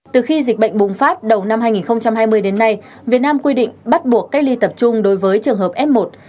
từ khi dịch bệnh bùng phát đầu năm hai nghìn hai mươi đến nay việt nam quy định bắt buộc cách ly tập trung đối với trường hợp f một